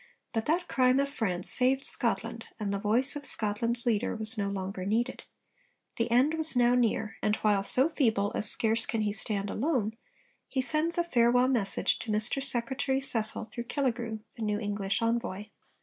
But that crime of France saved Scotland, and the voice of Scotland's leader was no longer needed. The end was now near, and while 'so feeble as scarce can he stand alone' he sends a farewell message to 'Mr Secretary Cecil' through Killigrew, the new English envoy.